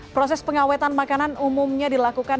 proses pengawetan makanan umumnya dilakukan